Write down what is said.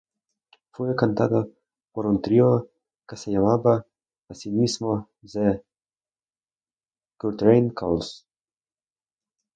Fue cantada por un trío que se llamaba a sí mismo "The Curtain Calls.